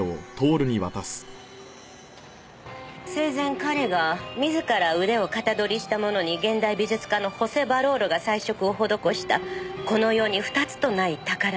生前彼が自ら腕を型取りしたものに現代美術家のホセ・バローロが彩色を施したこの世に二つとない宝です。